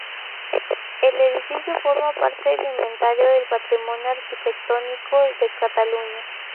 El edificio forma parte del Inventario del Patrimonio Arquitectónico de Cataluña.